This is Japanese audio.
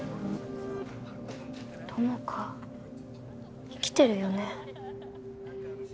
友果生きてるよね？